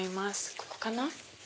ここかな？